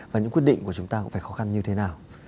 và những quyết định của chúng ta cũng phải khó khăn như thế nào